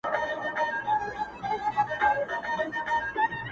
بيا دادی پخلا سوه چي ستا سومه